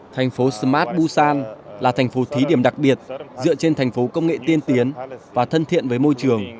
thành phố smart busan là thành phố thí điểm đặc biệt dựa trên thành phố công nghệ tiên tiến và thân thiện với môi trường